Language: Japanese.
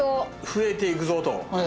増えていくぞと。